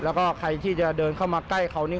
แล้วก็ใครที่จะเดินเข้ามาใกล้เขานี่